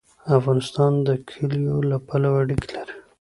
افغانستان د کلیو له پلوه اړیکې لري.